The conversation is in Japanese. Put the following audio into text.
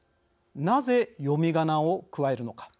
なぜ読みがなを加えるのか。